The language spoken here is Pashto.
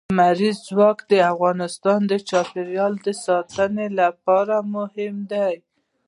لمریز ځواک د افغانستان د چاپیریال ساتنې لپاره مهم دي.